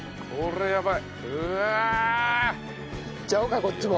いっちゃおうかこっちも。